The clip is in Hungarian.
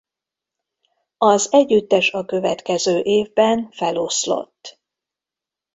Az együttes a következő évben feloszlott.